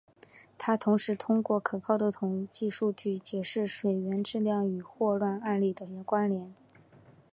他同时通过可靠的统计数据解释水源质量与霍乱案例的关联。